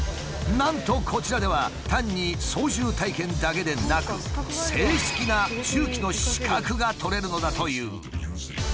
なんとこちらでは単に操縦体験だけでなく正式な重機の資格が取れるのだという。